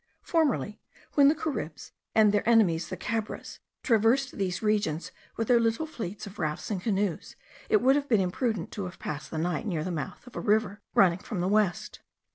Formerly, when the Caribs, and their enemies the Cabres, traversed these regions with their little fleets of rafts and canoes, it would have been imprudent to have passed the night near the mouth of a river running from the west.